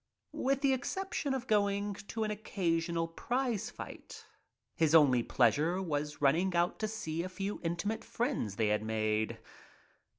With the exception of going to an occasional prize fight, his only pleasure was running out to see the few intimate friends they had made.